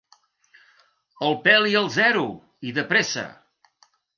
El peli al zero, i de pressa!